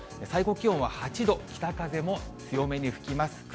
最高気温は８度、北風も強めに吹きます。